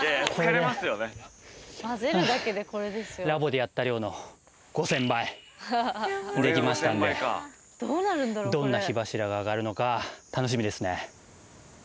ラボでやった量の５０００倍できましたんでどんな火柱が上がるのか楽しみですね。